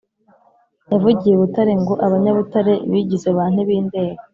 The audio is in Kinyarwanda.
yavugiye i Butare ngo Abanyabutare bigize ba ntibindeba